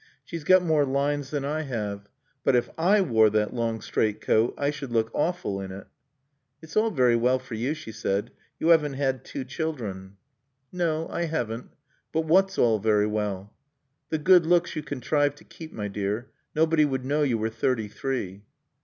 She's got more lines than I have. But if I wore that long straight coat I should look awful in it." "It's all very well for you," she said. "You haven't had two children." "No. I haven't. But what's all very well?" "The good looks you contrive to keep, my dear. Nobody would know you were thirty three."